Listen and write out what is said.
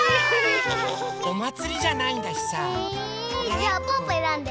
じゃあぽぅぽえらんで。